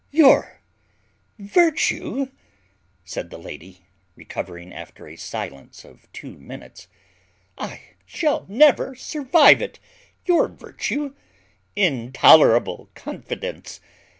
"Your virtue!" said the lady, recovering after a silence of two minutes; "I shall never survive it. Your virtue! intolerable confidence!